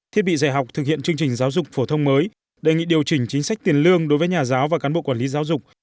thiết bị dạy học thực hiện chương trình giáo dục phổ thông mới đề nghị điều chỉnh chính sách tiền lương đối với nhà giáo và cán bộ quản lý giáo dục